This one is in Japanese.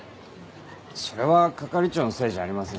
それは係長のせいじゃありませんよ。